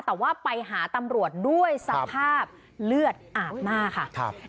แต่ว่าไปหาตำรวจด้วยสภาพเลือดอาบหน้าค่ะ